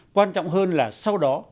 quan trọng hơn là sau đó